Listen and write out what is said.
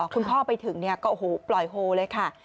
คุณพ่อไปถึงก็โอ้โหปล่อยโฮเลยค่ะ